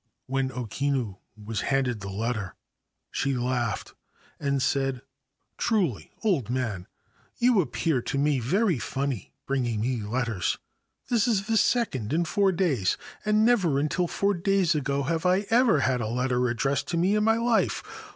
When O Kinu was handed the letter she laughed and said: ' Truly, old man, you appear to me very funny, bringing me letters. This is the second in four days, and never until four days ago have I had a letter addressed to me in my life.